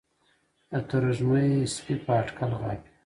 د تروږمۍ سپي په اټکل غاپي